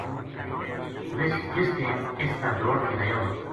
رِچھ جس ٹیم اس تا دوڑ کے آیو